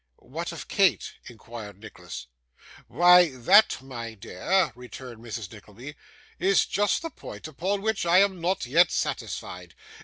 'What of Kate?' inquired Nicholas. 'Why that, my dear,' returned Mrs. Nickleby, 'is just the point upon which I am not yet satisfied.